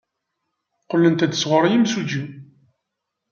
Qqlent-d sɣur yimsujji.